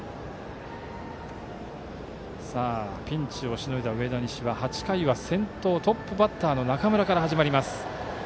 ピンチをしのいだ上田西は８回はトップバッターの中村から始まります。